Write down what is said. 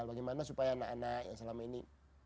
bagaimana supaya anak anak yang selama ini